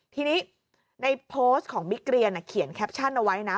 ทีนี้ในโพสต์ของบิ๊กเรียนเขียนแคปชั่นเอาไว้นะ